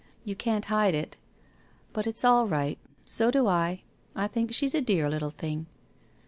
You can't hide it. But it's all right. So do I. I think she's a dear little thing.'